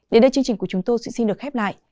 đến đây chương trình của chúng tôi xin được khép lại